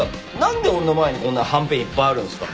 んで俺の前にこんなにはんぺんいっぱいあるんですか？